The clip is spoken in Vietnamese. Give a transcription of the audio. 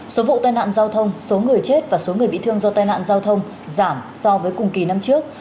số vụ tai nạn giao thông số người chết và số người bị thương do tai nạn giao thông giảm so với cùng kỳ năm trước